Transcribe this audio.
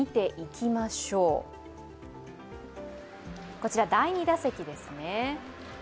こちらは第２打席ですね。